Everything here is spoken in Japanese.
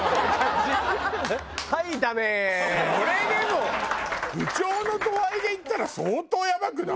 それでも不調の度合いでいったら相当やばくない？